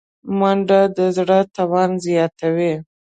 منډه د زړه توان زیاتوي